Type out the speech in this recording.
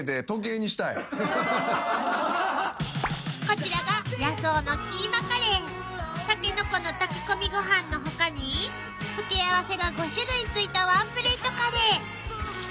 ［こちらが野草のキーマカレー］［タケノコの炊き込みご飯の他に付け合わせが５種類付いたワンプレートカレー］